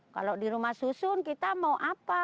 kalau di rumah susun kita mau apa